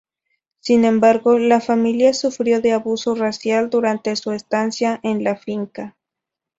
Sin embargo, la familia sufrió de abuso racial durante su estancia en la finca.